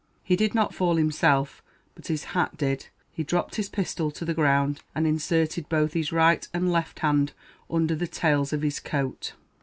He did not fall himself, but his hat did; he dropped his pistol to the ground, and inserted both his right and his left hand under the tails of his coat.